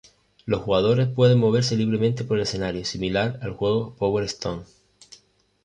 Los jugadores pueden moverse libremente por el escenario, similar al juego Power Stone.